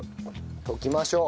溶きましょう。